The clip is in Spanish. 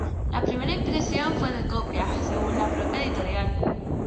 La primera impresión fue de copias, según la propia editorial.